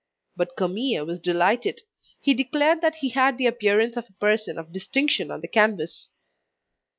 But Camille was delighted; he declared that he had the appearance of a person of distinction on the canvas.